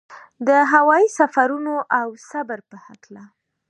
د هوايي سفرونو او صبر په هکله.